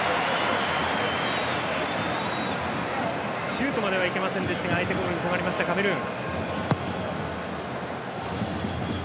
シュートまではいけませんでしたが相手ゴールに迫りましたカメルーン。